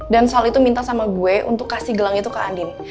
dan sal itu minta sama gue untuk kasih gelang itu ke andin